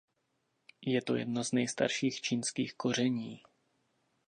Je to jedno z nejstarších čínských koření.